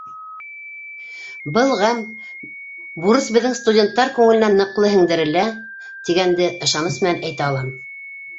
Был ғәм, бурыс беҙҙең студенттар күңеленә ныҡлы һеңдерелә, тигәнде ышаныс менән әйтә алам.